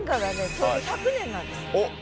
ちょうど１００年なんですって。